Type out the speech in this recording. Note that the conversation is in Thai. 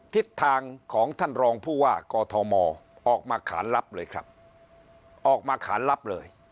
ทิศทางของท่านรองผู้ว่ากอทมออกมาขานลับเลยครับออกมาขานลับเลย